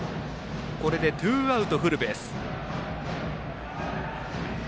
これでツーアウト、フルベース。